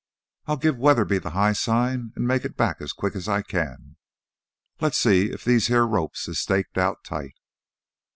I'll give Weatherby the high sign an' make it back as quick as I can. Let's see if these heah ropes is staked out tight."